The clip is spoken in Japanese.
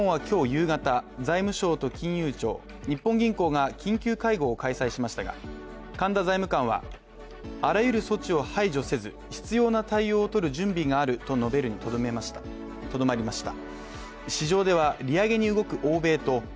夕方財務省と金融省、日本銀行が緊急会合を開催しましたが神田財務官は、あらゆる措置を排除せず必要な対応をとる準備があると述べるにとどまりました。